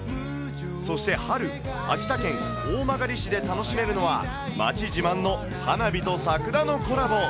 そして春、秋田県大曲市で楽しめるのは、街自慢の花火と桜のコラボ。